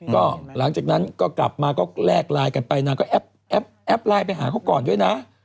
ก็หลังจากนั้นก็กลับมาก็แลกไลน์กันไปนางก็แอปไลน์ไปหาเขาก่อนด้วยนะ